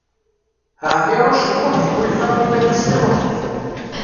Ɛmiṛuc U Muḥ iḥulfa iman-is d awḥid.